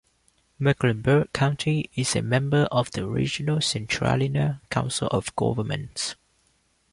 Mecklenburg County is a member of the regional Centralina Council of Governments.